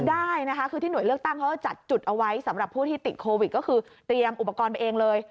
ได้นะคะคือที่หน่วยเลือกตั้งเขาก็จัดจุดเอาไว้สำหรับผู้ที่ติดโควิดก็คือเตรียมอุปกรณ์ไปเองเลย